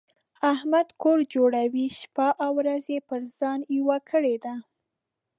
احمد کور جوړوي؛ شپه او ورځ يې پر ځان یوه کړې ده.